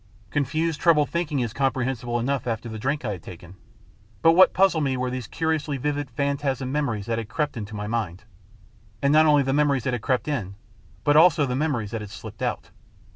Confused, troubled thinking is com prehensible enough after the drink I had taken, but what puzzled me were these curiously vivid phan tasm memories that had crept into my mind, and not only the memories that had crept in, but also the memories that had slipped out.